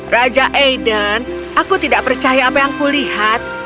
raja aiden aku tidak percaya apa yang kulihat